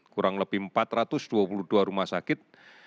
kurang lebih empat ratus dua puluh dua rumah sakit